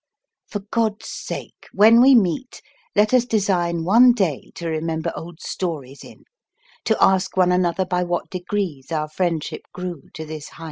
For God's sake, when we meet, let us design one day to remember old stories in, to ask one another by what degrees our friendship grew to this height 'tis at.